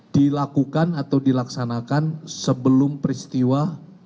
dilakukan atau dilaksanakan sebelum peristiwa